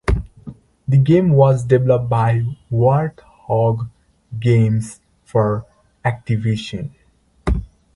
The game was developed by Warthog Games for Activision.